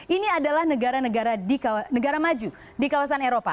ini adalah negara negara maju di kawasan eropa